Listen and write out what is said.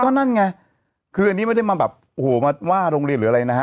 ก็นั่นไงคืออันนี้ไม่ได้มาแบบโอ้โหมาว่าโรงเรียนหรืออะไรนะฮะ